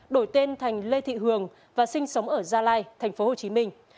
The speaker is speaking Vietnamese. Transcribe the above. đổi tên thành lê thị hường và sinh sống ở gia lai thành phố hồ chí minh